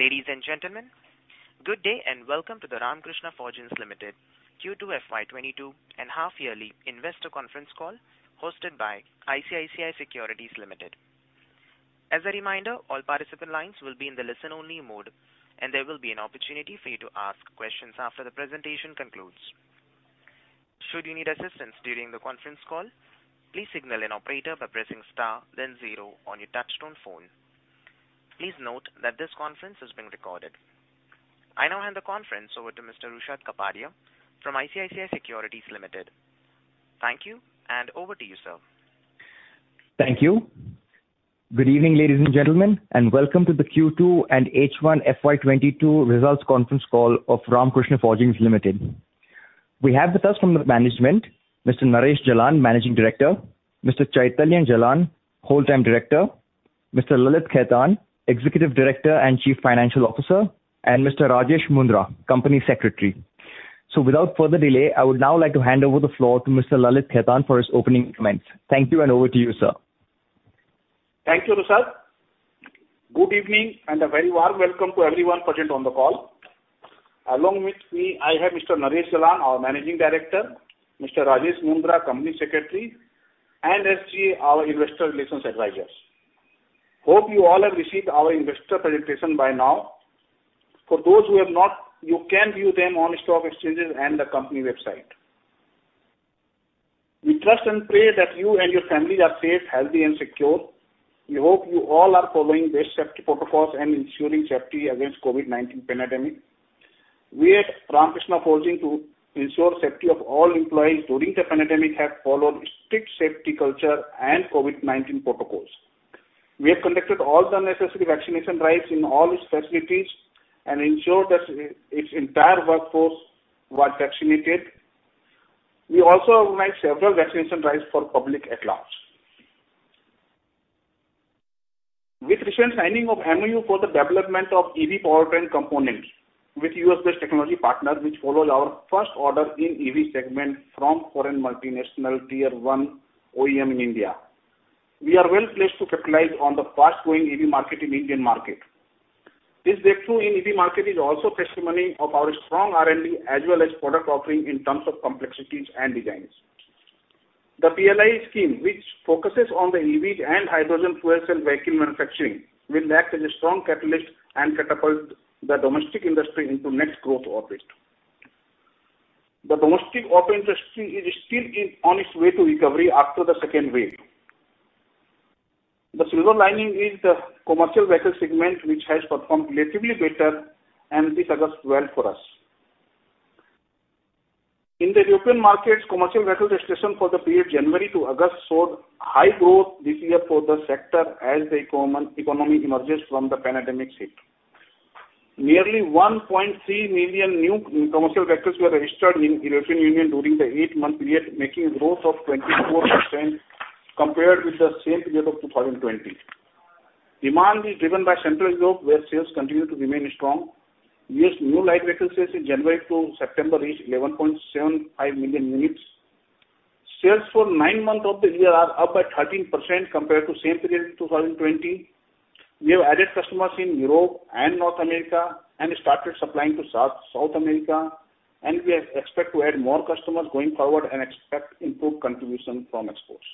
Ladies and gentlemen, good day. Welcome to the Ramkrishna Forgings Limited Q2 FY 2022 and half-yearly investor conference call hosted by ICICI Securities Limited. As a reminder, all participant lines will be in the listen-only mode, and there will be an opportunity for you to ask questions after the presentation concludes. Should you need assistance during the conference call, please signal an operator by pressing star, then zero on your touchtone phone. Please note that this conference is being recorded. I now hand the conference over to Mr. Rushad Kapadia from ICICI Securities Limited. Thank you. Over to you, sir. Thank you. Good evening, ladies and gentlemen, welcome to the Q2 and H1 FY 2022 results conference call of Ramkrishna Forgings Limited. We have with us from the management, Mr. Naresh Jalan, Managing Director, Mr. Chaitanya Jalan, Whole-time Director, Mr. Lalit Khetan, Executive Director and Chief Financial Officer, and Mr. Rajesh Mundhra, Company Secretary. Without further delay, I would now like to hand over the floor to Mr. Lalit Khetan for his opening comments. Thank you, over to you, sir. Thank you, Rushad. Good evening, and a very warm welcome to everyone present on the call. Along with me, I have Mr. Naresh Jalan, our Managing Director, Mr. Rajesh Mundhra, Company Secretary, and SGA, our investor relations advisors. Hope you all have received our investor presentation by now. For those who have not, you can view them on stock exchanges and the company website. We trust and pray that you and your family are safe, healthy, and secure. We hope you all are following best safety protocols and ensuring safety against COVID-19 pandemic. We at Ramkrishna Forgings to ensure safety of all employees during the pandemic have followed strict safety culture and COVID-19 protocols. We have conducted all the necessary vaccination drives in all its facilities and ensured that its entire workforce was vaccinated. We also organized several vaccination drives for public at large. With recent signing of MoU for the development of EV powertrain components with U.S.-based technology partner, which follows our first order in EV segment from foreign multinational tier one OEM in India, we are well-placed to capitalize on the fast-growing EV market in Indian market. This breakthrough in EV market is also testimony of our strong R&D as well as product offering in terms of complexities and designs. The PLI scheme, which focuses on the EVs and hydrogen fuel cell vehicle manufacturing, will act as a strong catalyst and catapult the domestic industry into next growth orbit. The domestic auto industry is still on its way to recovery after the second wave. The silver lining is the commercial vehicle segment which has performed relatively better, and this augurs well for us. In the European markets, commercial vehicle registration for the period January to August showed high growth this year for the sector as the economy emerges from the pandemic hit. Nearly 1.3 million new commercial vehicles were registered in European Union during the eight-month period, making growth of 24% compared with the same period of 2020. Demand is driven by Central Europe where sales continue to remain strong. New light vehicle sales in January to September reached 11.75 million units. Sales for nine months of the year are up by 13% compared to the same period in 2020. We have added customers in Europe and North America and started supplying to South America, and we expect to add more customers going forward and expect improved contribution from exports.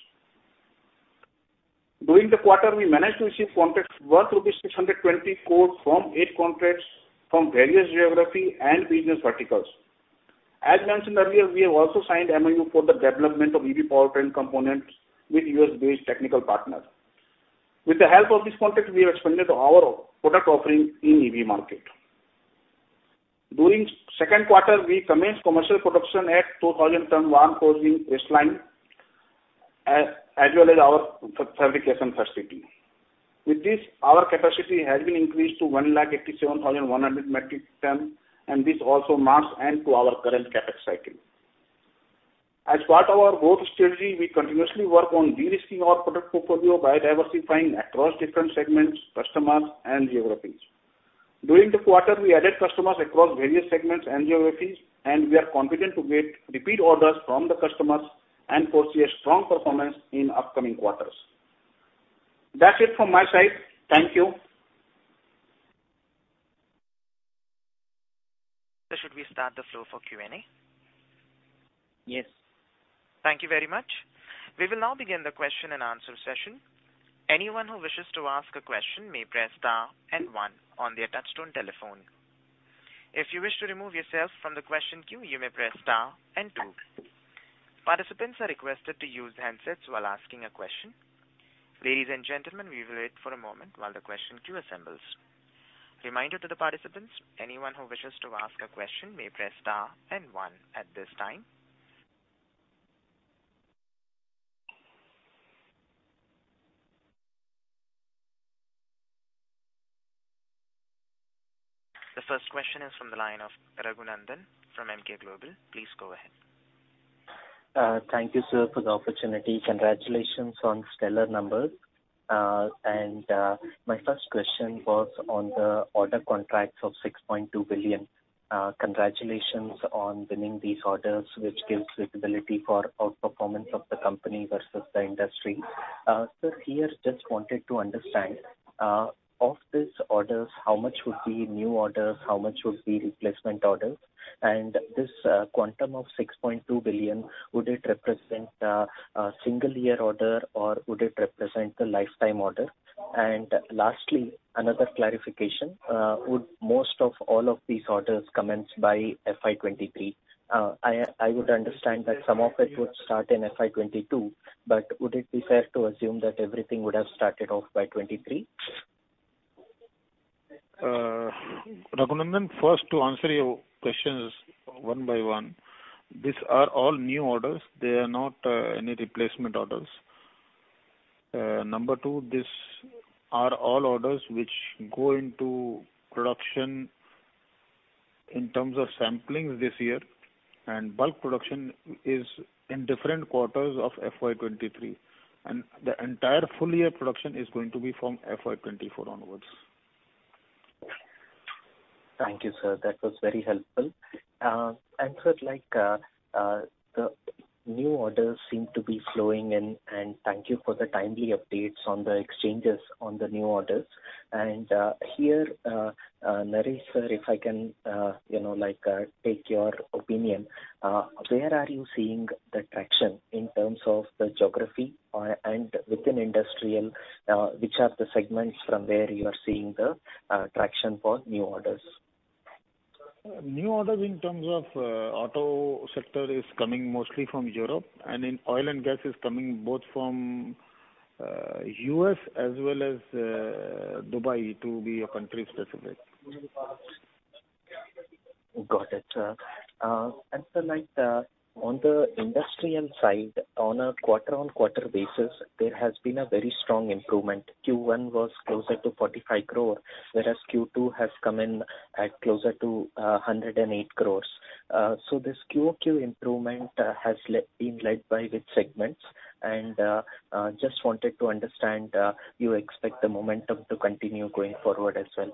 During the quarter, we managed to receive contracts worth rupees 620 crores from eight contracts from various geography and business verticals. As mentioned earlier, we have also signed MoU for the development of EV powertrain components with U.S.-based technical partner. With the help of this contract, we have expanded our product offering in EV market. During 2nd quarter, we commenced commercial production at 2,000-ton warm forging press line, as well as our fabrication facility. With this, our capacity has been increased to 187,100 metric ton and this also marks end to our current CapEx cycle. As part of our growth strategy, we continuously work on de-risking our product portfolio by diversifying across different segments, customers, and geographies. During the quarter, we added customers across various segments and geographies, and we are confident to get repeat orders from the customers and foresee a strong performance in upcoming quarters. That's it from my side. Thank you. Should we start the floor for Q&A? Yes. Thank you very much. We will now begin the question-and-answer session. Anyone who wishes to ask a question may press star and one on their touchtone telephone. If you wish to remove yourself from the question queue, you may press star and two. Participants are requested to use handsets while asking a question. Ladies and gentlemen, we will wait for a moment while the question queue assembles. Reminder to the participants, anyone who wishes to ask a question may press star and one at this time. The first question is from the line of Raghunandhan from Emkay Global. Please go ahead. Thank you, sir, for the opportunity. Congratulations on stellar numbers. My first question was on the order contracts of 6.2 billion. Congratulations on winning these orders, which gives visibility for outperformance of the company versus the industry. Sir, here, just wanted to understand, of these orders, how much would be new orders, how much would be replacement orders? This quantum of 6.2 billion, would it represent a single year order or would it represent the lifetime order? Lastly, another clarification. Would most of all of these orders commence by FY 2023? I would understand that some of it would start in FY 2022, but would it be fair to assume that everything would have started off by 2023? Raghunandhan, first to answer your questions one-by-one. These are all new orders. They are not any replacement orders. Number 2, these are all orders which go into production in terms of sampling this year, and bulk production is in different quarters of FY 2023, and the entire full year production is going to be from FY 2024 onwards. Thank you, sir. That was very helpful. Sir, the new orders seem to be flowing in, and thank you for the timely updates on the exchanges on the new orders. Here, Naresh sir, if I can take your opinion, where are you seeing the traction in terms of the geography and within industrial, which are the segments from where you are seeing the traction for new orders? New orders in terms of auto sector is coming mostly from Europe, and in oil and gas is coming both from U.S. as well as Dubai, to be country-specific. Got it, sir. Sir, on the industrial side, on a quarter-on-quarter basis, there has been a very strong improvement. Q1 was closer to 45 crore, whereas Q2 has come in at closer to 108 crores. This QoQ improvement has been led by which segments? Just wanted to understand, you expect the momentum to continue going forward as well?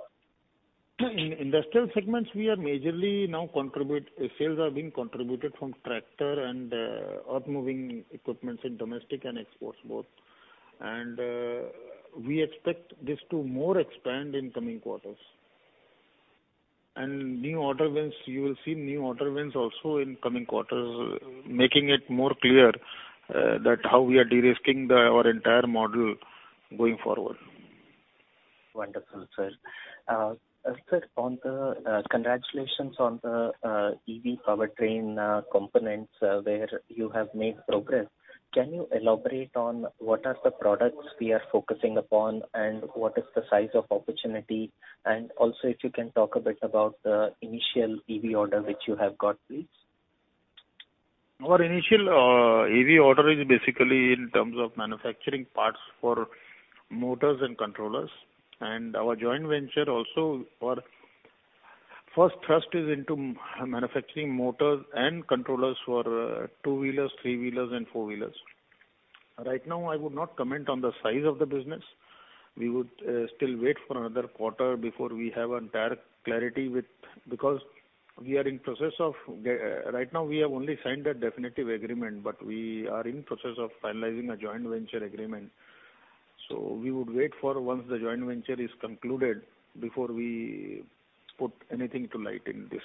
In industrial segments, sales are being contributed from tractor and earthmoving equipments in domestic and exports both. We expect this to more expand in coming quarters. You will see new order wins also in coming quarters, making it more clear that how we are de-risking our entire model going forward. Wonderful, sir. Sir, congratulations on the EV powertrain components where you have made progress. Can you elaborate on what are the products we are focusing upon and what is the size of opportunity? Also if you can talk a bit about the initial EV order which you have got, please. Our initial EV order is basically in terms of manufacturing parts for motors and controllers. Our joint venture also, our first thrust is into manufacturing motors and controllers for two-wheelers, three-wheelers, and four-wheelers. Right now, I would not comment on the size of the business. We would still wait for another quarter before we have entire clarity, because right now we have only signed a definitive agreement, but we are in process of finalizing a joint venture agreement. We would wait for once the joint venture is concluded before we put anything to light in this.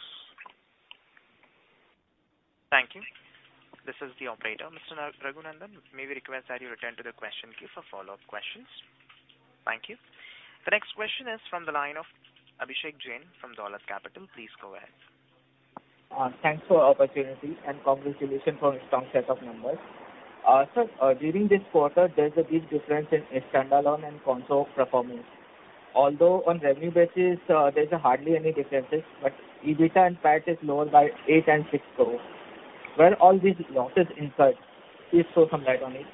Thank you. This is the operator. Mr. Raghunandhan, may we request that you return to the question queue for follow-up questions. Thank you. The next question is from the line of Abhishek Jain from Dolat Capital. Please go ahead. Thanks for the opportunity, and congratulations on a strong set of numbers. Sir, during this quarter, there's a big difference in standalone and console performance. Although on revenue basis, there's hardly any differences, but EBITDA and PAT is lower by 8 crore and 6 crore. Where all these losses incurred? Please throw some light on it.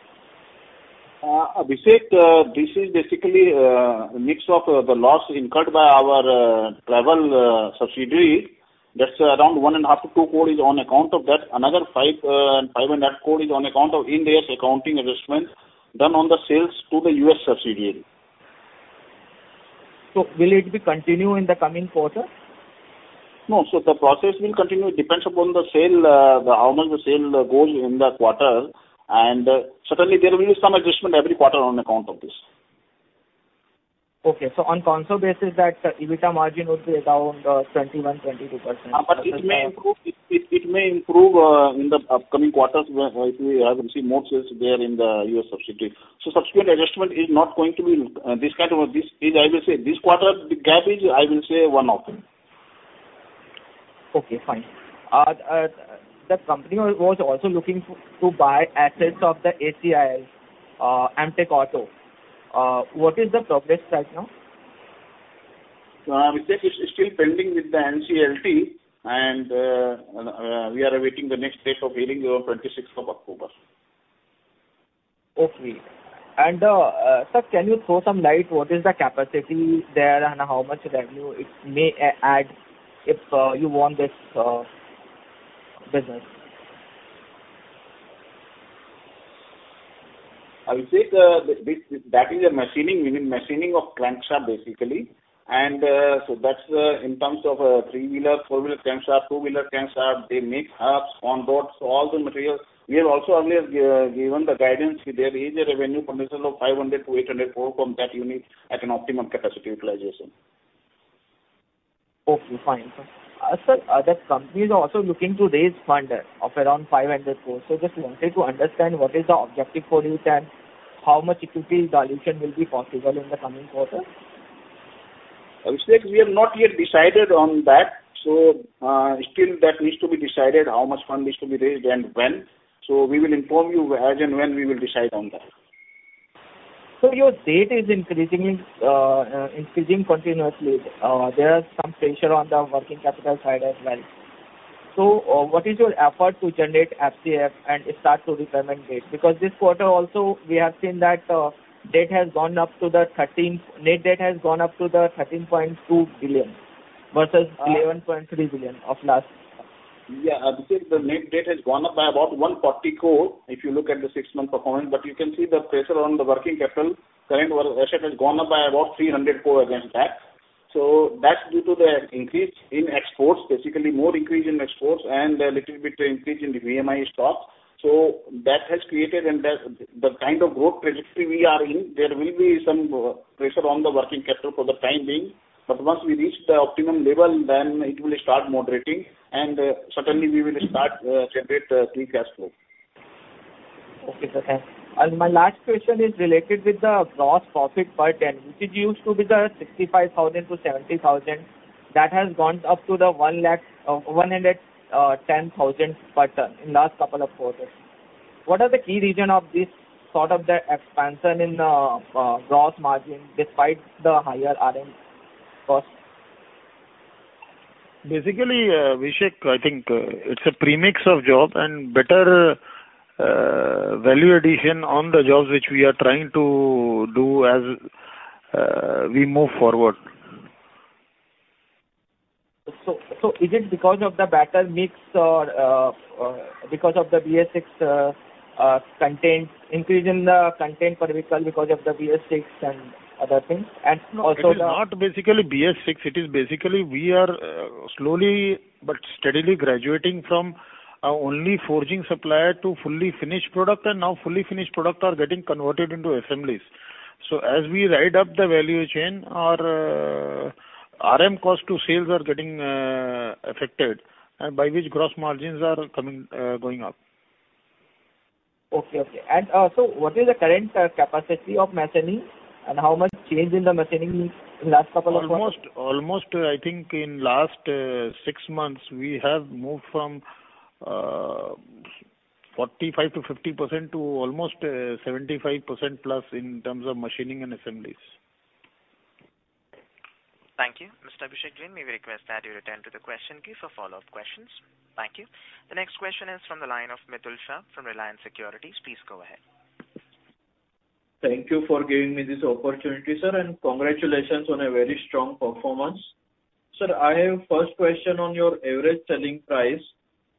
Abhishek, this is basically a mix of the loss incurred by our travel subsidiary. That's around 1.5 crore-2 crore is on account of that. Another five and half crore is on account of Ind AS accounting adjustment done on the sales to the U.S. subsidiary. Will it continue in the coming quarter? No. The process will continue. It depends upon the sale, how much the sale goes in the quarter, and certainly there will be some adjustment every quarter on account of this. Okay. on console basis, that EBITDA margin would be around 21%-22%? It may improve in the upcoming quarters if we have seen more sales there in the U.S. subsidiary. Subsequent adjustment is not going to be this kind of a, I will say this quarter, the gap is, I will say, one-off. Okay, fine. The company was also looking to buy assets of the ACIL Amtek Auto. What is the progress right now? Abhishek, it's still pending with the NCLT, and we are awaiting the next date of hearing on 26th of October. Okay. Sir, can you throw some light what is the capacity there and how much revenue it may add if you want this business? Abhishek, that is a machining, meaning machining of crankshaft basically. That's in terms of three-wheeler, four-wheeler crankshaft, two-wheeler crankshafts, they make hubs on boards, all the materials. We have also earlier given the guidance there is a revenue potential of 500 crore-800 crore from that unit at an optimum capacity utilization. Okay, fine, sir. Sir, other companies are also looking to raise fund of around 500 crores. Just wanted to understand what is the objective for you and how much you feel dilution will be possible in the coming quarter. Abhishek, we have not yet decided on that. Still that needs to be decided how much fund is to be raised and when. We will inform you as and when we will decide on that. Sir, your debt is increasing continuously. There are some pressure on the working capital side as well. What is your effort to generate FCF and start to repayment debt? This quarter also, we have seen that net debt has gone up to 13.2 billion versus 11.3 billion of last. Yeah, Abhishek, the net debt has gone up by about 140 crore if you look at the six-month performance. You can see the pressure on the working capital current asset has gone up by about 300 crore against that. That's due to the increase in exports, basically more increase in exports and a little bit increase in the VMI stock. That has created and the kind of growth trajectory we are in, there will be some pressure on the working capital for the time being. Once we reach the optimum level, then it will start moderating and certainly we will start generate free cash flow. Okay, sir. My last question is related with the gross profit per ton, which it used to be the 65,000-70,000 that has gone up to the 110,000 per ton in last couple of quarters. What are the key reason of this sort of the expansion in gross margin despite the higher RM cost? Abhishek, I think it's a premix of job and better value addition on the jobs which we are trying to do as we move forward. Is it because of the better mix or because of the increase in the content per vehicle because of the BS6 and other things? It is not basically BS6. It is basically we are slowly but steadily graduating from only forging supplier to fully finished product, now fully finished product are getting converted into assemblies. As we ride up the value chain, our RM cost to sales are getting affected, by which gross margins are going up. Okay. What is the current capacity of machining and how much change in the machining in last couple of quarters? Almost, I think in last six months, we have moved from 45%-50% to almost 75%+ in terms of machining and assemblies. Thank you. Mr. Abhishek Jain, may we request that you return to the question queue for follow-up questions. Thank you. The next question is from the line of Mitul Shah from Reliance Securities. Please go ahead. Thank you for giving me this opportunity, sir. Congratulations on a very strong performance. Sir, I have first question on your average selling price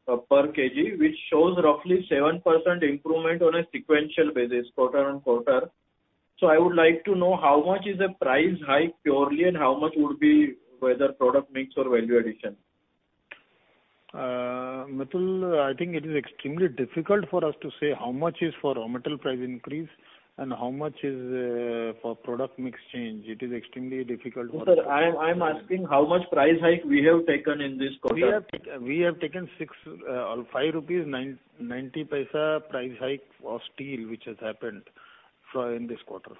per kg, which shows roughly 7% improvement on a sequential basis QoQ. I would like to know how much is a price hike purely and how much would be whether product mix or value addition. Mitul Shah, I think it is extremely difficult for us to say how much is for raw material price increase and how much is for product mix change. No, sir, I'm asking how much price hike we have taken in this quarter? We have taken 6 or 5.90 rupees price hike for steel which has happened in this quarter.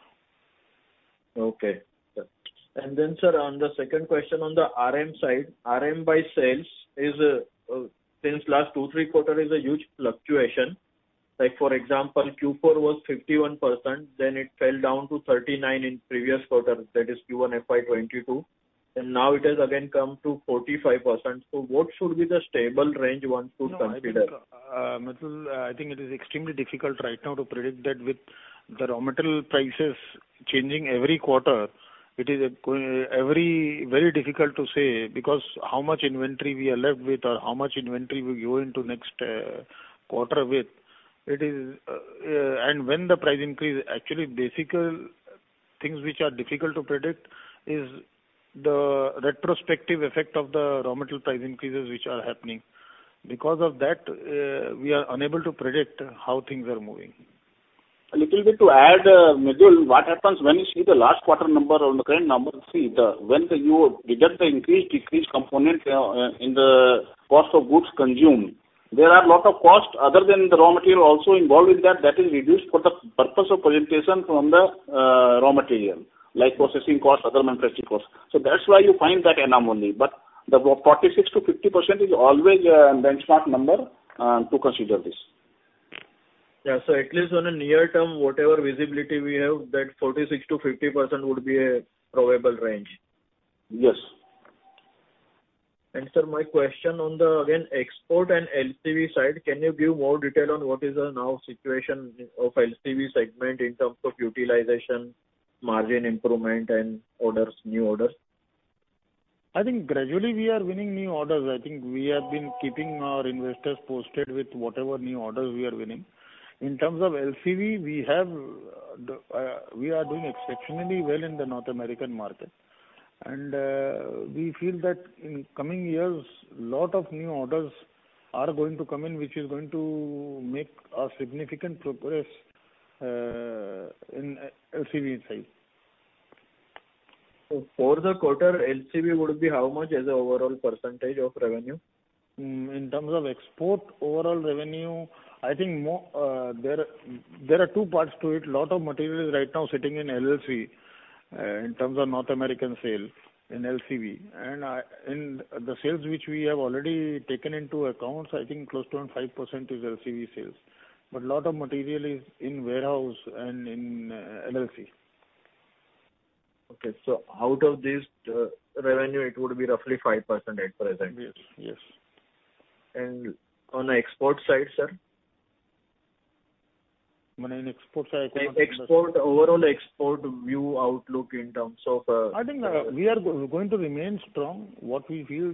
Okay. Sir, on the second question on the RM side. RM by sales since last two, three quarters is a huge fluctuation. Like for example, Q4 was 51%, then it fell down to 39% in previous quarter, that is Q1 FY 2022, and now it has again come to 45%. What should be the stable range one should consider? No, I think, Mitul, I think it is extremely difficult right now to predict that with the raw material prices changing every quarter. It is very difficult to say because how much inventory we are left with or how much inventory we go into next quarter with. When the price increase, actually, things which are difficult to predict is the retrospective effect of the raw material price increases which are happening. Because of that, we are unable to predict how things are moving. A little bit to add, Mitul, what happens when you see the last quarter number on the current number, see, when you deduct the increase/decrease component in the cost of goods consumed, there are lot of cost other than the raw material also involved with that that is reduced for the purpose of presentation from the raw material, like processing cost, other manufacturing costs. That's why you find that anomaly. The 46%-50% is always a benchmark number to consider this. At least on a near term, whatever visibility we have, that 46%-50% would be a probable range. Yes. Sir, my question on the, again, export and LCV side, can you give more detail on what is now situation of LCV segment in terms of utilization, margin improvement, and new orders? I think gradually we are winning new orders. I think we have been keeping our investors posted with whatever new orders we are winning. In terms of LCV, we are doing exceptionally well in the North American market. We feel that in coming years, lot of new orders are going to come in, which is going to make a significant progress in LCV side. For the quarter, LCV would be how much as an overall percentage of revenue? In terms of export overall revenue, I think there are two parts to it. Lot of material is right now sitting in Ramkrishna Forgings LLC, in terms of North American sales in LCV. The sales which we have already taken into account, I think close to on 5% is LCV sales. Lot of material is in warehouse and in Ramkrishna Forgings LLC. Okay. Out of this revenue, it would be roughly 5% at present. Yes. On the export side, sir? On export side. Overall export view outlook in terms of- I think we are going to remain strong. What we feel,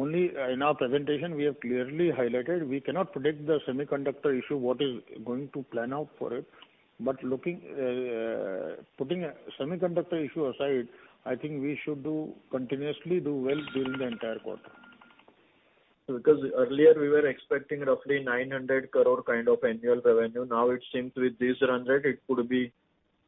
only in our presentation we have clearly highlighted, we cannot predict the semiconductor issue, what is going to pan out for it. Putting semiconductor issue aside, I think we should continuously do well during the entire quarter. Earlier we were expecting roughly 900 crore kind of annual revenue. Now it seems with this run rate, it could be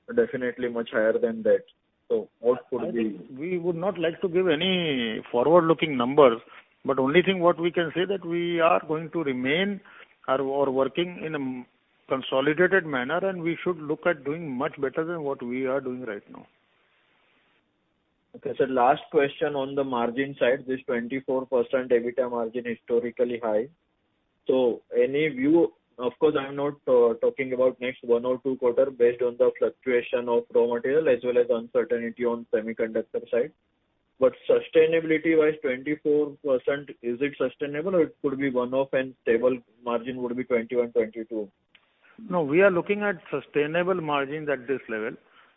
definitely much higher than that. I think we would not like to give any forward-looking numbers, but only thing what we can say that we are going to remain, are working in a consolidated manner, and we should look at doing much better than what we are doing right now. Okay. Sir, last question on the margin side. This 24% EBITDA margin historically high. Any view, of course, I'm not talking about next one or two quarter based on the fluctuation of raw material as well as uncertainty on semiconductor side. Sustainability wise, 24%, is it sustainable or it could be one-off and stable margin would be 21%, 22%? No, we are looking at sustainable margins at this level,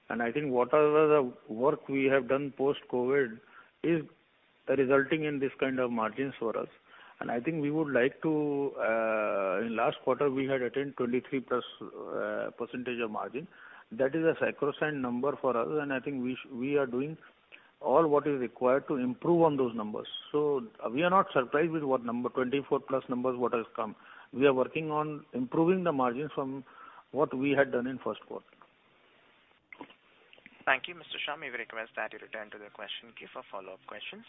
and I think whatever the work we have done post-COVID is resulting in this kind of margins for us. I think we would like to, in last quarter, we had attained 23%+ of margin. That is a sacrosanct number for us, and I think we are doing all what is required to improve on those numbers. We are not surprised with what number, 24%+ numbers, what has come. We are working on improving the margin from what we had done in 1st quarter. Thank you, Mr. Shah. We request that you return to the question queue for follow-up questions.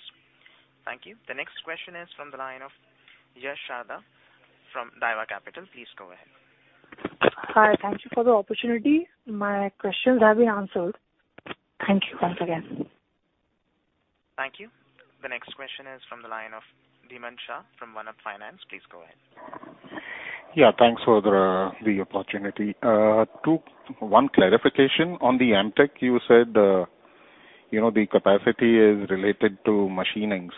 Thank you. The next question is from the line of Yasuda from Daiwa Capital. Please go ahead. Hi. Thank you for the opportunity. My questions have been answered. Thank you once again. Thank you. The next question is from the line of Dhimant Shah from OneUp Finance. Please go ahead. Yeah, thanks for the opportunity. One clarification on the ACIL Limited, you said the capacity is related to machining.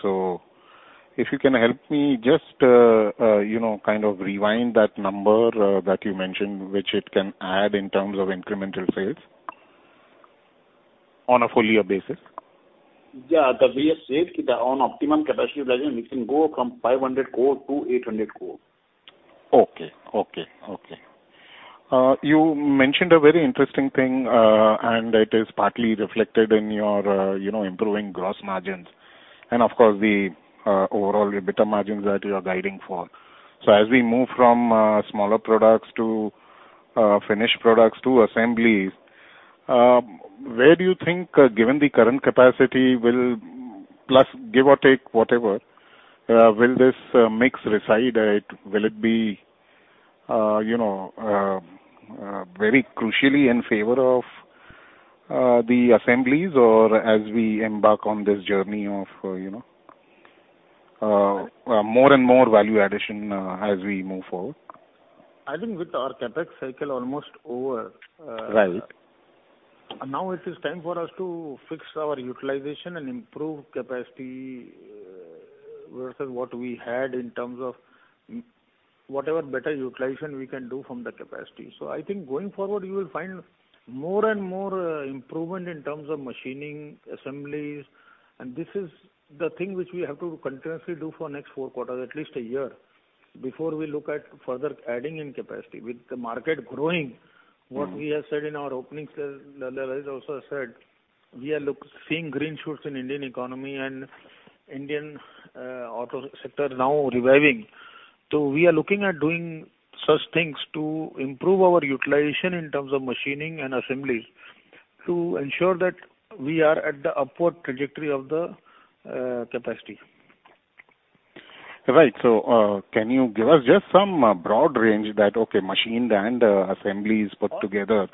If you can help me just kind of rewind that number that you mentioned, which it can add in terms of incremental sales on a full year basis. Yeah. As we have said, on optimum capacity utilization, it can go from 500 crore-800 crore. Okay. You mentioned a very interesting thing, and it is partly reflected in your improving gross margins, and of course, the overall EBITDA margins that you are guiding for. As we move from smaller products to finished products to assemblies, where do you think, given the current capacity, plus give or take whatever, will this mix reside at? Will it be very crucially in favor of the assemblies or as we embark on this journey of more and more value addition as we move forward? I think with our CapEx cycle almost over. Right It is time for us to fix our utilization and improve capacity versus what we had in terms of whatever better utilization we can do from the capacity. I think going forward, you will find more and more improvement in terms of machining assemblies, and this is the thing which we have to continuously do for next four quarters, at least a year, before we look at further adding in capacity. With the market growing, what we have said in our opening, Lalit also said, we are seeing green shoots in Indian economy and Indian auto sector now reviving. We are looking at doing such things to improve our utilization in terms of machining and assembly to ensure that we are at the upward trajectory of the capacity. Right. Can you give us just some broad range that, okay, machined and assemblies put together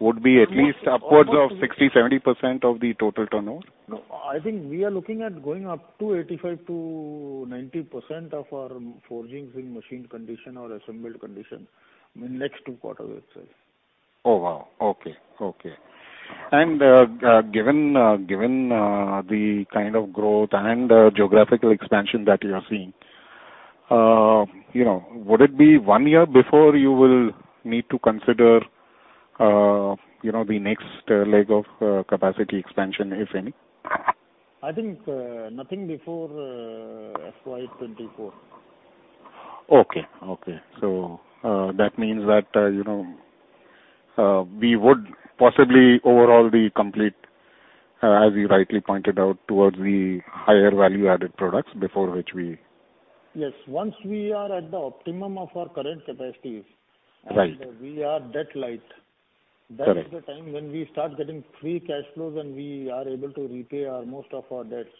would be at least upwards of 60%-70% of the total turnover? No, I think we are looking at going up to 85%-90% of our forgings in machined condition or assembled condition in next two quarters itself. Oh, wow. Okay. Given the kind of growth and geographical expansion that you are seeing, would it be one year before you will need to consider the next leg of capacity expansion, if any? I think nothing before FY 2024. Okay. That means that we would possibly overall be complete, as you rightly pointed out, towards the higher value-added products before which we. Yes. Once we are at the optimum of our current capacities. Right We are debt light. Correct that is the time when we start getting free cash flows and we are able to repay most of our debts,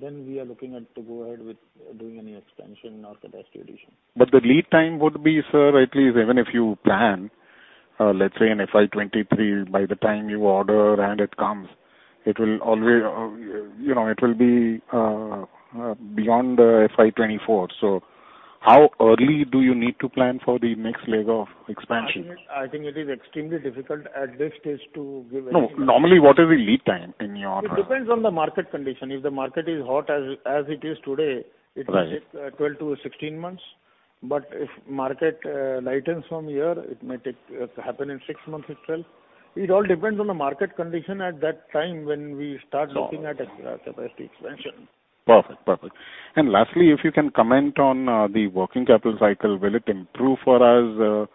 then we are looking at to go ahead with doing any expansion or capacity addition. The lead time would be, sir, at least even if you plan, let's say in FY 2023, by the time you order and it comes, it will be beyond FY 2024. How early do you need to plan for the next leg of expansion? I think it is extremely difficult at this stage to give any. No. Normally, what is the lead time in your- It depends on the market condition. If the market is hot as it is today. Right it may take 12-16 months. If market lightens from here, it may happen in six months itself. It all depends on the market condition at that time when we start looking at CapEx expansion. Perfect. Lastly, if you can comment on the working capital cycle, will it improve for us?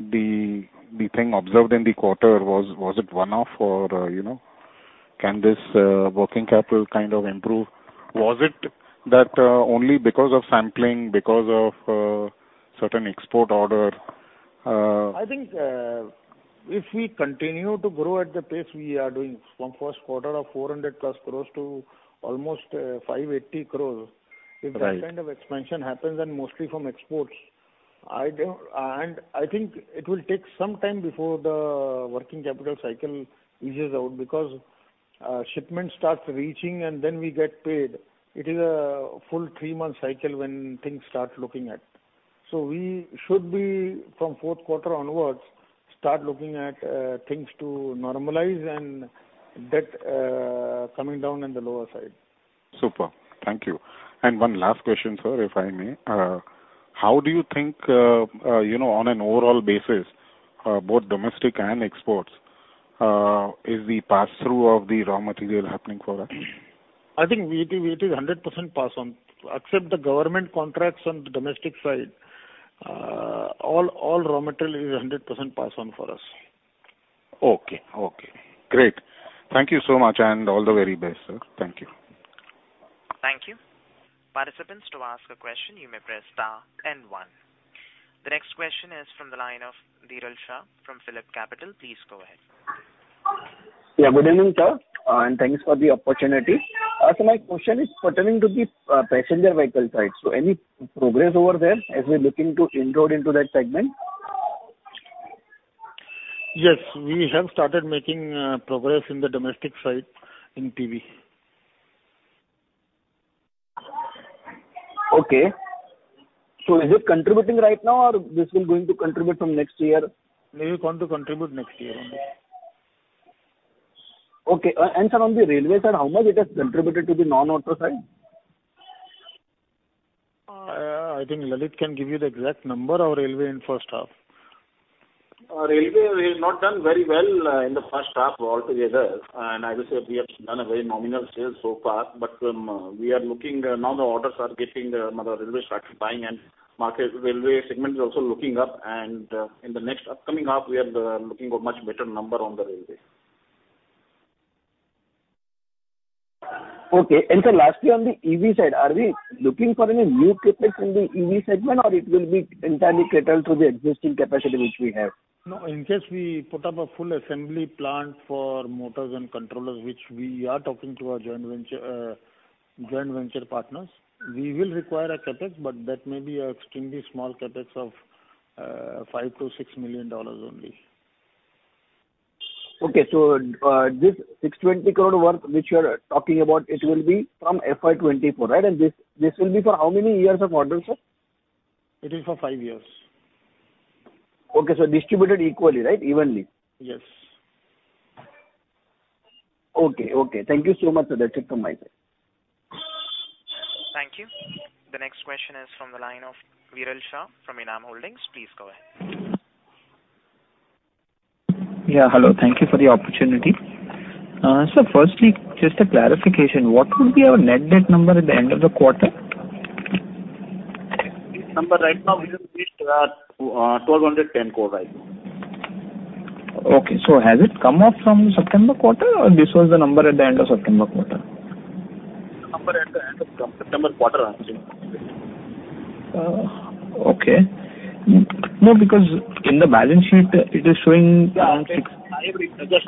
The thing observed in the quarter, was it one-off, or can this working capital kind of improve? Was it that only because of sampling, because of certain export order? I think if we continue to grow at the pace we are doing from 1st quarter of 400+ crores to almost 580 crore-. Right That kind of expansion happens and mostly from exports, and I think it will take some time before the working capital cycle eases out because shipment starts reaching and then we get paid. It is a full three-month cycle when things start looking at. We should be from fourth quarter onwards, start looking at things to normalize and debt coming down in the lower side. Super. Thank you. One last question, sir, if I may. How do you think, on an overall basis, both domestic and exports, is the pass-through of the raw material happening for us? I think it is 100% pass on. Except the government contracts on the domestic side, all raw material is 100% pass on for us. Okay. Great. Thank you so much, and all the very best, sir. Thank you. Thank you. Participants, to ask a question, you may press star one. The next question is from the line of Dhiral Shah from Phillip Capital. Please go ahead. Yeah. Good evening, sir, and thanks for the opportunity. My question is pertaining to the passenger vehicle side. Any progress over there as we're looking to inroad into that segment? Yes, we have started making progress in the domestic side in PV. Okay. Is it contributing right now, or this is going to contribute from next year? May be going to contribute next year only. Okay. Sir, on the railway side, how much it has contributed to the non-auto side? I think Lalit can give you the exact number of railway in 1st half. Railway has not done very well in the 1st half altogether. I will say we have done a very nominal sales so far, but we are looking, now the orders are getting, railway started buying and market railway segment is also looking up, and in the next upcoming half, we are looking a much better number on the railway. Okay. Sir, lastly, on the EV side, are we looking for any new CapEx in the EV segment, or it will be entirely catered through the existing capacity which we have? No, in case we put up a full assembly plant for motors and controllers, which we are talking to our joint venture partners, we will require a CapEx, but that may be extremely small CapEx of $5 million-$6 million only. Okay. This 620 crore worth which you are talking about, it will be from FY 2024, right? This will be for how many years of order, sir? It is for five years. Okay, sir. Distributed equally, right? Evenly. Yes. Okay. Thank you so much, sir. That's it from my side. Thank you. The next question is from the line of Viral Shah from ENAM Holding. Please go ahead. Yeah, hello. Thank you for the opportunity. Sir, firstly, just a clarification. What would be our net debt number at the end of the quarter? This number right now will reach 1,210 crore, I think. Okay. Has it come up from September quarter, or this was the number at the end of September quarter? Number at the end of September quarter. Okay. No, because in the balance sheet, it is showing. I will just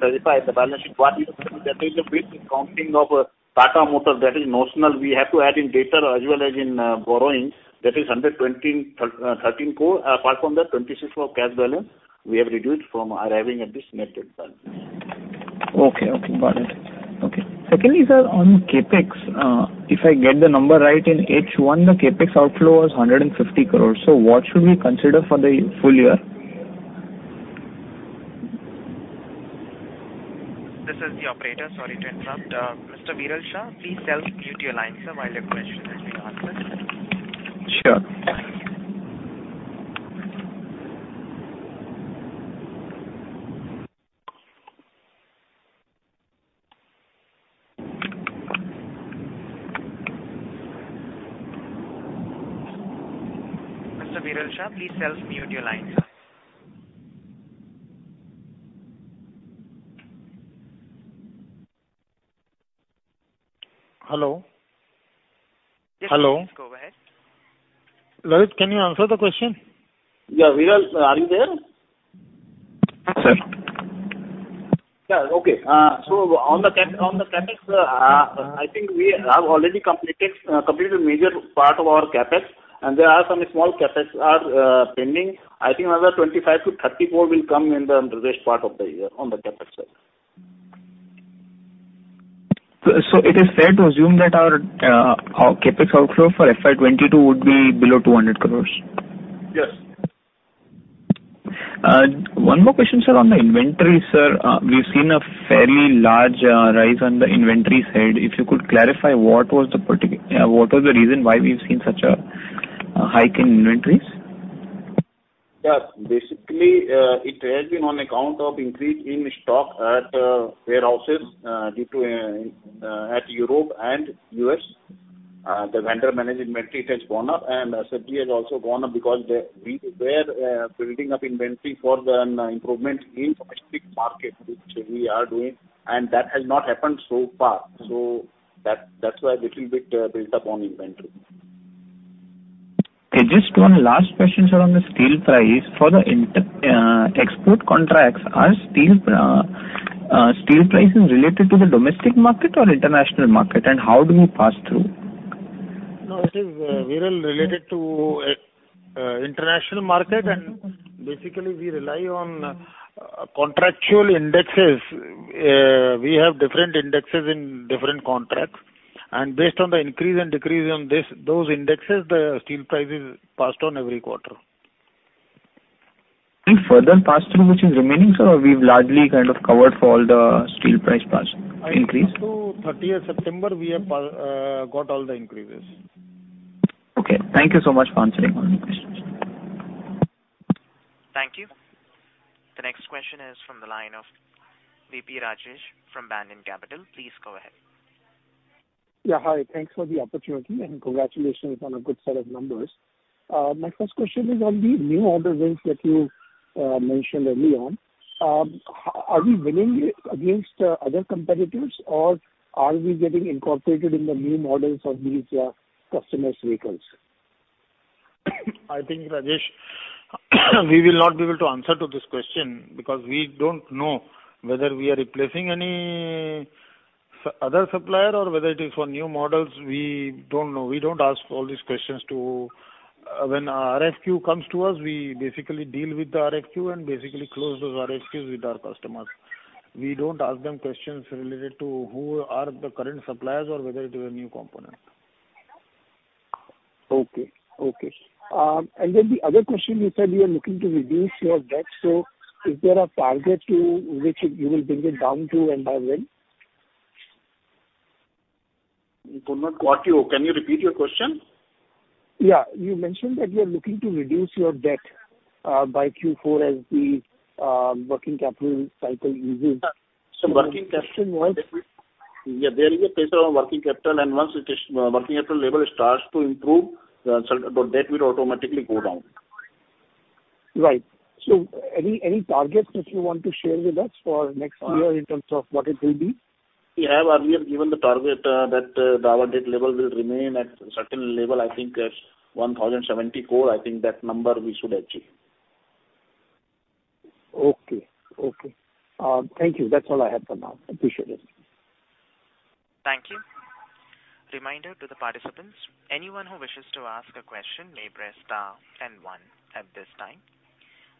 verify the balance sheet. What you said, that is a bit counting of Tata Motors, that is notional. We have to add in debtor as well as in borrowings. That is 113 crore. Apart from that, 26 crore cash balance, we have reduced from arriving at this net debt. Okay, got it. Secondly, sir, on CapEx, if I get the number right, in H1 the CapEx outflow was ₹150 crores. What should we consider for the full year? This is the operator. Sorry to interrupt. Mr. Viral Shah, please self-mute your line, sir, while your question is being answered. Sure. Mr. Viral Shah, please self-mute your line, sir. Hello? Yes, please go ahead. Lalit, can you answer the question? Yeah. Viral, are you there? Yes, sir. Yeah, okay. On the CapEx, I think we have already completed the major part of our CapEx, and there are some small CapEx that are pending. I think another 25 crore-30 crore will come in the rest part of the year on the CapEx side. It is fair to assume that our CapEx outflow for FY 2022 would be below 200 crores? Yes. One more question, sir, on the inventory. Sir, we've seen a fairly large rise on the inventory side. If you could clarify what was the reason why we've seen such a hike in inventories? Yeah. Basically, it has been on account of increase in stock at warehouses due to at Europe and U.S. The vendor managed inventory has gone up and safety has also gone up because they're building up inventory for the improvement in domestic market, which we are doing, and that has not happened so far. That's why little bit built up on inventory. Just one last question, sir, on the steel price. For the export contracts, are steel prices related to the domestic market or international market, and how do we pass through? No, it is well related to international market, basically we rely on contractual indexes. We have different indexes in different contracts, based on the increase and decrease on those indexes, the steel price is passed on every quarter. Any further pass-through which is remaining, sir, or we've largely kind of covered for all the steel price pass increase? I think up to 30th September, we have got all the increases. Okay. Thank you so much for answering all the questions. Thank you. The next question is from the line of V. P. Rajesh from Banyan Capital. Please go ahead. Yeah. Hi. Thanks for the opportunity, and congratulations on a good set of numbers. My 1st question is on the new order wins that you mentioned early on. Are we winning against other competitors, or are we getting incorporated in the new models of these customers' vehicles? I think, Rajesh, we will not be able to answer to this question because we don't know whether we are replacing any other supplier or whether it is for new models. We don't know. We don't ask all these questions to When RFQ comes to us, we basically deal with the RFQ and basically close those RFQs with our customers. We don't ask them questions related to who are the current suppliers or whether it is a new component. Okay. The other question, you said you are looking to reduce your debt. Is there a target to which you will bring it down to, and by when? Purnima, can you repeat your question? Yeah. You mentioned that you're looking to reduce your debt by Q4 as the working capital cycle eases. Yeah. The question was. There is a pressure on working capital, and once working capital level starts to improve, debt will automatically go down. Right. Any targets that you want to share with us for next year in terms of what it will be? We have given the target that our debt level will remain at a certain level, I think 1,070 crore. I think that number we should achieve. Okay. Thank you. That's all I had for now. Appreciate it. Thank you. Reminder to the participants, anyone who wishes to ask a question, may press star and one at this time.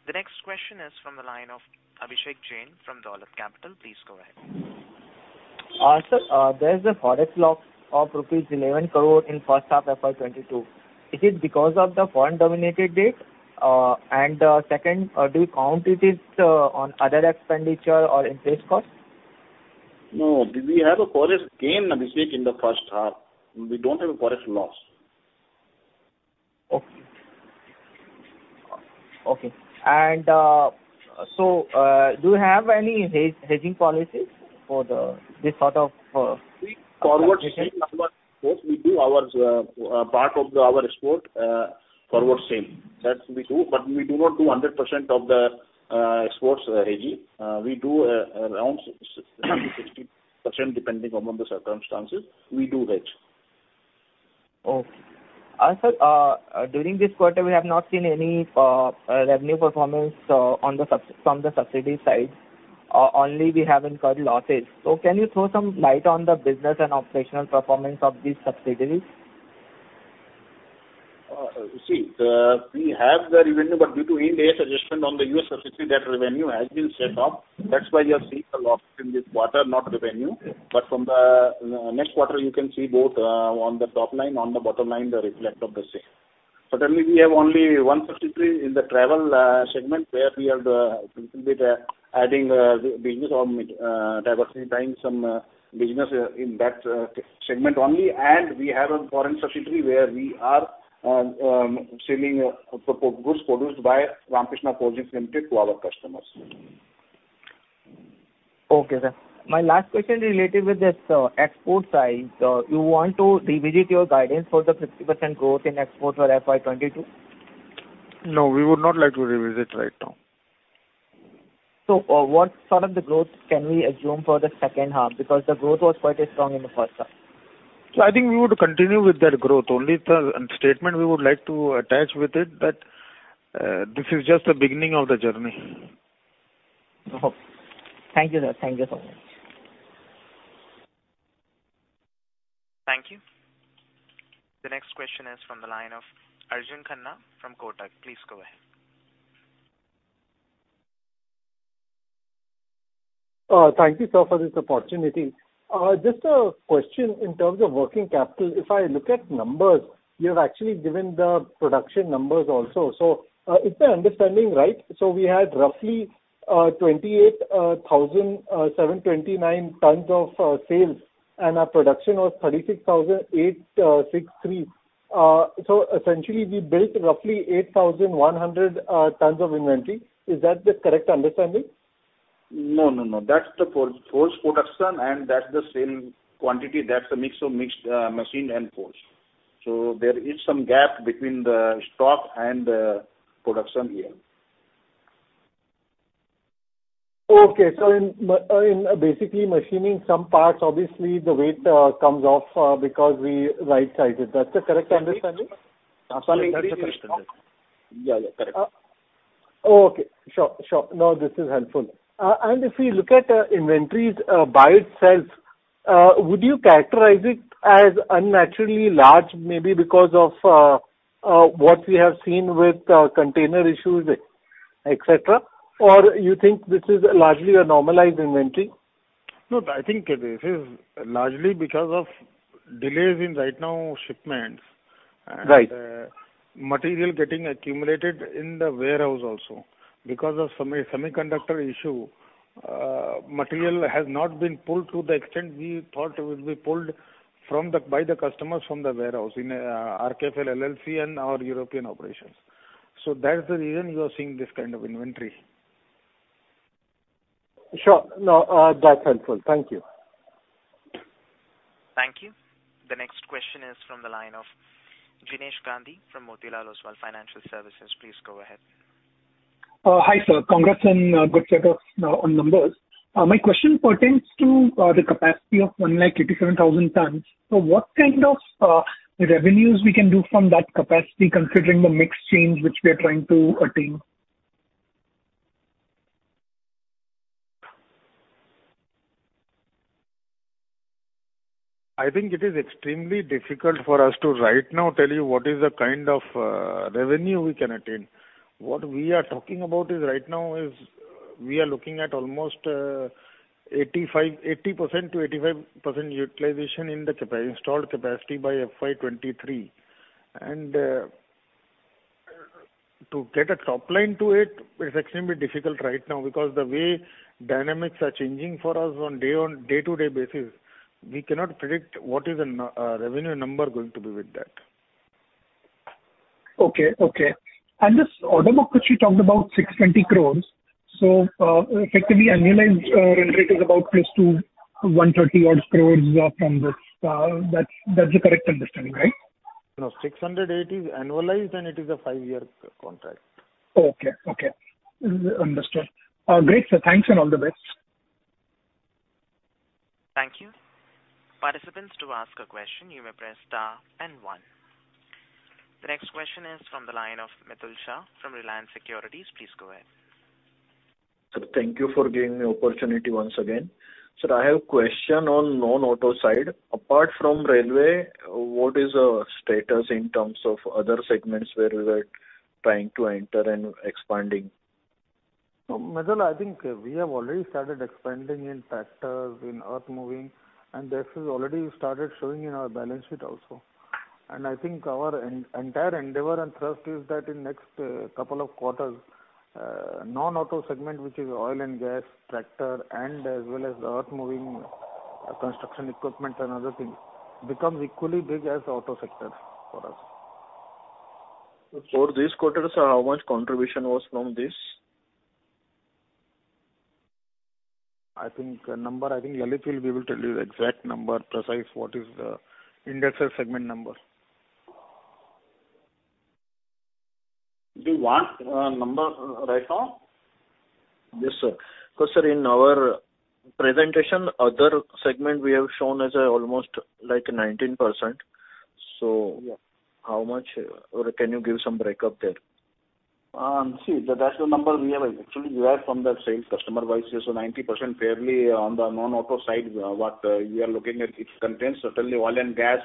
The next question is from the line of Abhishek Jain from Dolat Capital. Please go ahead. Sir, there is a Forex loss of INR 11 crore in 1st half FY 2022. Is it because of the foreign dominated debt? Second, do you count it on other expenditure or interest cost? No. We have a Forex gain, Abhishek, in the 1st half. We don't have a Forex loss. Okay. Do you have any hedging policies for this sort of fluctuation? We forward sell some of our exports. We do part of our export forward sale. That we do, but we do not do 100% of the exports hedging. We do around 60%, depending upon the circumstances, we do hedge. Okay. Sir, during this quarter, we have not seen any revenue performance from the subsidiary side. Only we have incurred losses. Can you throw some light on the business and operational performance of these subsidiaries? See, we have the revenue, but due to Ind AS adjustment on the U.S. subsidiary, that revenue has been set off. That's why you are seeing a loss in this quarter, not revenue. From the next quarter, you can see both on the top line, on the bottom line, the reflect of the same. We have only one subsidiary in the travel segment where we are a little bit adding business or diversifying some business in that segment only. We have a foreign subsidiary where we are selling goods produced by Ramkrishna Forgings Limited to our customers. Okay, sir. My last question related with this export side. Do you want to revisit your guidance for the 50% growth in exports for FY 2022? No, we would not like to revisit right now. What sort of the growth can we assume for the 2nd half? Because the growth was quite strong in the 1st half. I think we would continue with that growth. Only the statement we would like to attach with it, that this is just the beginning of the journey. Okay. Thank you, sir. Thank you so much. Thank you. The next question is from the line of Arjun Khanna from Kotak. Please go ahead. Thank you, sir, for this opportunity. Just a question in terms of working capital. If I look at numbers, you have actually given the production numbers also. Is my understanding right, we had roughly 28,729 tons of sales and our production was 36,863. Essentially, we built roughly 8,100 tons of inventory. Is that the correct understanding? No. That's the forged production and that's the sale quantity. That's a mix of mixed machine and forged. There is some gap between the stock and the production here. Okay. Basically, machining some parts, obviously the weight comes off because we right size it. That's the correct understanding? Sorry, can you repeat? Yeah, correct. Okay, sure. No, this is helpful. If we look at inventories by itself, would you characterize it as unnaturally large, maybe because of what we have seen with container issues, et cetera? Or you think this is largely a normalized inventory? No, I think this is largely because of delays in, right now, shipments. Right. Material getting accumulated in the warehouse also because of semiconductor issue. Material has not been pulled to the extent we thought it will be pulled by the customers from the warehouse in RKFL LLC and our European operations. That's the reason you are seeing this kind of inventory. Sure. No, that's helpful. Thank you. Thank you. The next question is from the line of Jinesh Gandhi from Motilal Oswal Financial Services. Please go ahead. Hi, sir. Congrats and good set of numbers. My question pertains to the capacity of 1,87,000 tons. What kind of revenues we can do from that capacity considering the mix change which we are trying to attain? I think it is extremely difficult for us to right now tell you what is the kind of revenue we can attain. What we are talking about right now is we are looking at almost 80%-85% utilization in the installed capacity by FY 2023. To get a top line to it is extremely difficult right now because the way dynamics are changing for us on day-to-day basis, we cannot predict what is the revenue number going to be with that. Okay. This order book which you talked about, 620 crores. Effectively annualized revenue rate is about plus 130 odd crores from this. That's a correct understanding, right? No, 680 is annualized, and it is a five-year contract. Okay. Understood. Great, sir. Thanks and all the best. Thank you. Participants, to ask a question, you may press star and one. The next question is from the line of Mitul Shah from Reliance Securities. Please go ahead. Sir, thank you for giving me opportunity once again. Sir, I have question on non-auto side. Apart from railway, what is the status in terms of other segments where we were trying to enter and expanding? Mitul, I think we have already started expanding in tractors, in earthmoving, and this has already started showing in our balance sheet also. I think our entire endeavor and thrust is that in next couple of quarters, non-auto segment, which is oil and gas, tractor, and as well as earthmoving, construction equipment and other things, becomes equally big as the auto sector for us. For this quarter, sir, how much contribution was from this? I think Lalit will be able to tell you the exact number, precise what is the index segment number. Do you want number right now? Yes, sir. Because, sir, in our presentation, other segment we have shown as almost 19%. How much, or can you give some breakup there? That's the number we have actually derived from that sales customer wise. 90% fairly on the non-auto side, what we are looking at, it contains certainly oil and gas,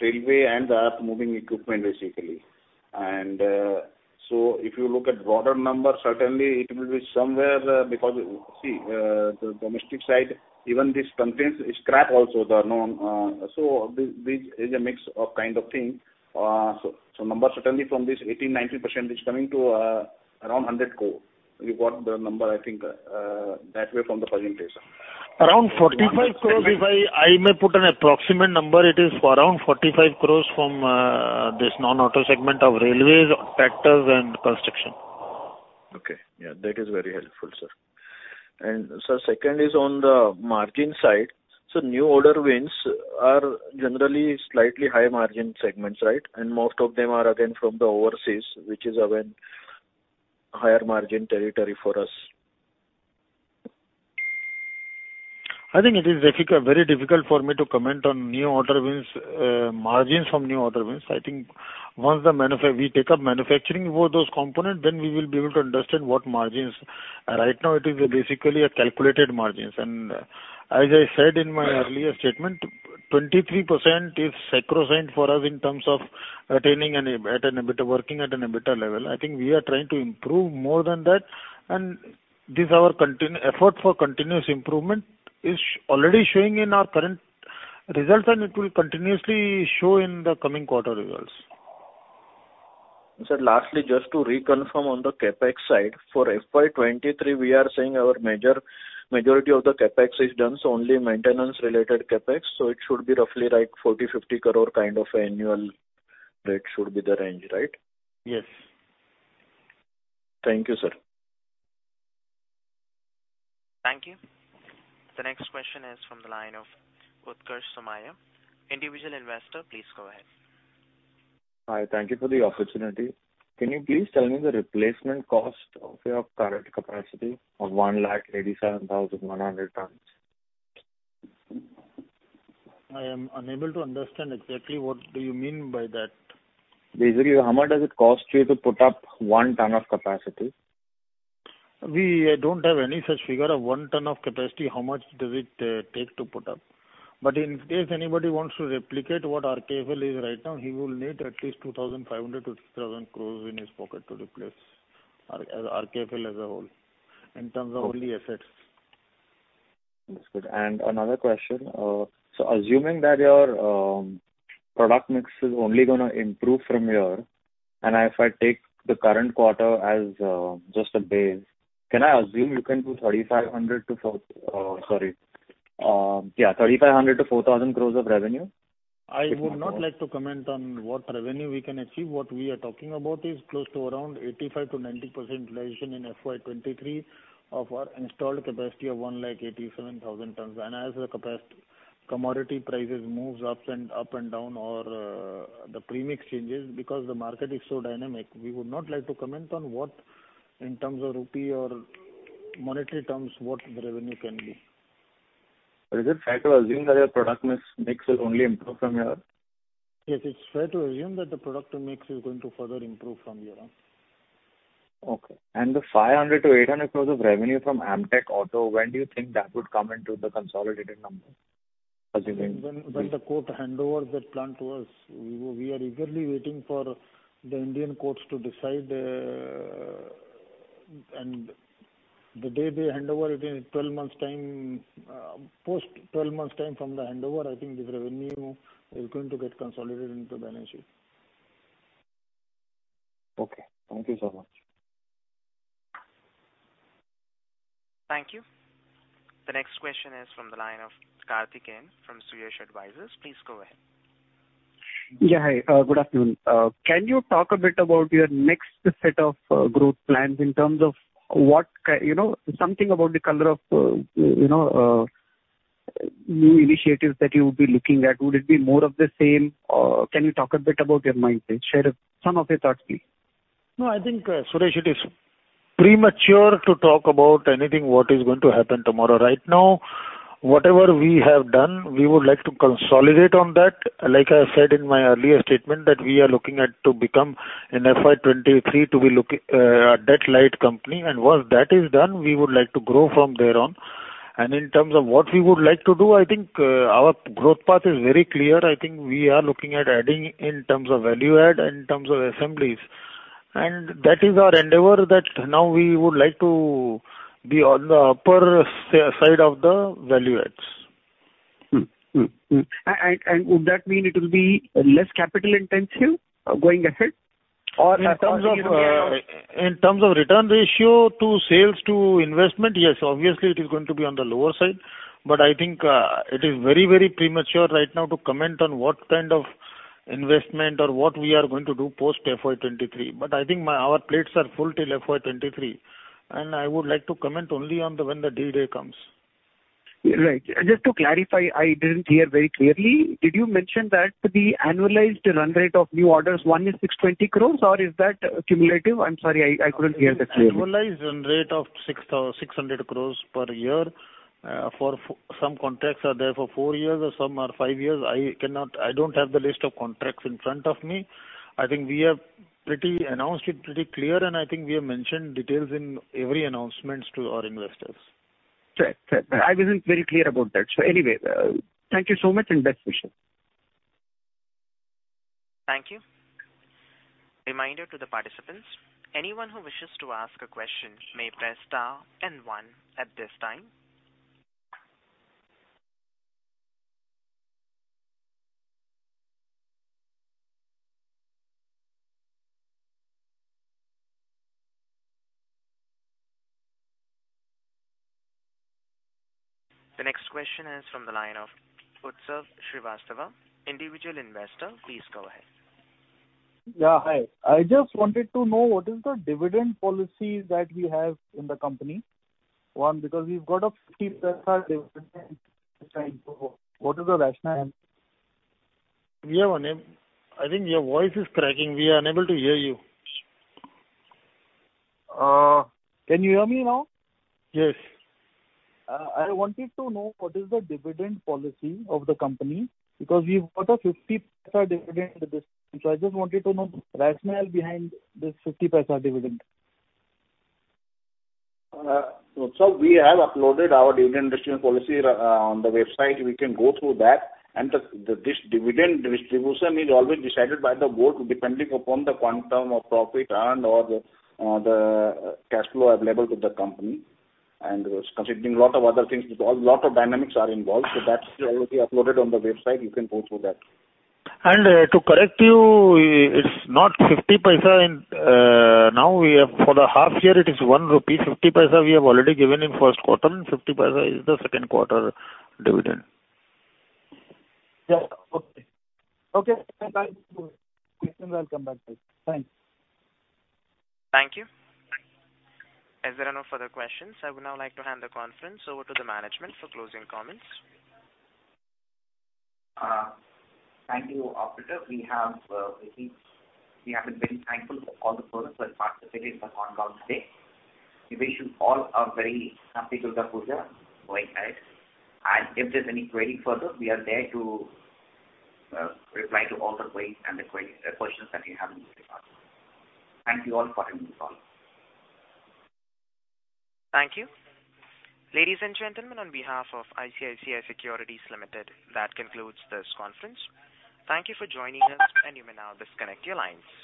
railway, and the earth-moving equipment, basically. If you look at broader number, certainly it will be somewhere because the domestic side, even this contains scrap also. This is a mix of kind of thing. Number certainly from this 18%-19% is coming to around 100 crore. You got the number, I think, that way from the presentation. Around 45 crore. If I may put an approximate number, it is around 45 crore from this non-auto segment of railways, tractors, and construction. Okay. Yeah, that is very helpful, sir. Sir, second is on the margin side. New order wins are generally slightly high margin segments, right? Most of them are again from the overseas, which is again higher margin territory for us. I think it is very difficult for me to comment on margins from new order wins. I think once we take up manufacturing for those components, then we will be able to understand what margins. Right now it is basically a calculated margins. As I said in my earlier statement, 23% is sacrosanct for us in terms of working at an EBITDA level. I think we are trying to improve more than that, and this effort for continuous improvement is already showing in our current results, and it will continuously show in the coming quarter results. Sir, lastly, just to reconfirm on the CapEx side, for FY 2023, we are saying our major majority of the CapEx is done, only maintenance related CapEx. It should be roughly 40 crore-50 crore kind of annual rate should be the range, right? Yes. Thank you, sir. Thank you. The next question is from the line of Utkarsh Somaiya, individual investor. Please go ahead. Hi. Thank you for the opportunity. Can you please tell me the replacement cost of your current capacity of 1,87,100 tons? I am unable to understand exactly what do you mean by that. Basically, how much does it cost you to put up one ton of capacity? We don't have any such figure of one ton of capacity, how much does it take to put up? In case anybody wants to replicate what RKFL is right now, he will need at least 2,500 crore-3,000 crore in his pocket to replace RKFL as a whole in terms of only assets. That's good. Another question. Assuming that your product mix is only going to improve from here, and if I take the current quarter as just a base, can I assume you can do 3,500 crore-4,000 crore of revenue? I would not like to comment on what revenue we can achieve. What we are talking about is close to around 85%-90% realization in FY 2023 of our installed capacity of 187,000 tons. As the commodity prices moves up and down, or the premix changes because the market is so dynamic, we would not like to comment on what, in terms of rupee or monetary terms, what the revenue can be. Is it fair to assume that your product mix will only improve from here? Yes, it is fair to assume that the product mix is going to further improve from here on. Okay. The 500-800 crore of revenue from Amtek Auto, when do you think that would come into the consolidated number? When the court handover that plant to us. We are eagerly waiting for the Indian courts to decide. The day they handover it in 12 months time, post 12 months time from the handover, I think the revenue is going to get consolidated into the balance sheet. Okay. Thank you so much. Thank you. The next question is from the line of Karthi Keyan from Suyash Advisors. Please go ahead. Hi. Good afternoon. Can you talk a bit about your next set of growth plans in terms of something about the color of new initiatives that you would be looking at? Would it be more of the same, or can you talk a bit about your mindset? Share some of your thoughts, please. No, I think, Suresh, it is premature to talk about anything what is going to happen tomorrow. Right now, whatever we have done, we would like to consolidate on that. Like I said in my earlier statement, that we are looking at to become in FY 2023 to be a debt light company. Once that is done, we would like to grow from there on. In terms of what we would like to do, I think our growth path is very clear. I think we are looking at adding in terms of value add, in terms of assemblies. That is our endeavor that now we would like to be on the upper side of the value adds. Would that mean it will be less capital intensive going ahead? In terms of return ratio to sales to investment, yes. It is going to be on the lower side. I think it is very premature right now to comment on what kind of investment or what we are going to do post FY 2023. I think our plates are full till FY 2023, and I would like to comment only on when the D-day comes. Right. Just to clarify, I didn't hear very clearly. Did you mention that the annualized run rate of new orders won is 620 crores, or is that cumulative? I'm sorry, I couldn't hear that clearly. Annualized run rate of 600 crores per year. Some contracts are there for four years or some are five years. I don't have the list of contracts in front of me. I think we have announced it pretty clear, and I think we have mentioned details in every announcement to our investors. Correct. I wasn't very clear about that. Anyway, thank you so much and best wishes. Thank you. Reminder to the participants, anyone who wishes to ask a question may press star and one at this time. The next question is from the line of Utsav Shrivastava, individual investor. Please go ahead. Yeah, hi. I just wanted to know what is the dividend policy that we have in the company. One, because we've got a 0.50 dividend this time. What is the rationale? I think your voice is cracking. We are unable to hear you. Can you hear me now? Yes. I wanted to know what is the dividend policy of the company, because we've got a 0.50 dividend this time. I just wanted to know the rationale behind this 0.50 dividend. We have uploaded our dividend distribution policy on the website. We can go through that. This dividend distribution is always decided by the board depending upon the quantum of profit and/or the cash flow available to the company, and considering lot of other things because lot of dynamics are involved. That's already uploaded on the website. You can go through that. To correct you, it's not 0.50. For the half year it is 1.50 rupee we have already given in 1st quarter, and 0.50 is the 2nd quarter dividend. Yeah, okay. Thank you. Thank you operator, we have been very thankful to all the persons who have participated in the conference today. We wish you all a very happy Durga Puja going ahead. If there's any query further, we are there to reply to all the queries and the questions that you have in this regard. Thank you all for attending the call. Thank you. Ladies and gentlemen, on behalf of ICICI Securities Limited, that concludes this conference. Thank you for joining us, and you may now disconnect your lines.